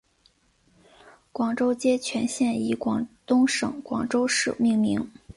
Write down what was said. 广州街全线以广东省广州市命名。